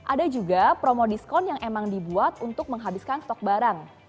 ada juga promo diskon yang emang dibuat untuk menghabiskan stok barang